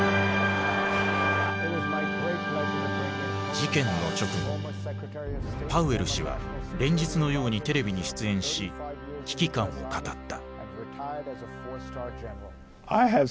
事件の直後パウエル氏は連日のようにテレビに出演し危機感を語った。